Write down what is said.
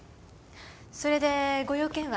それでご用件は？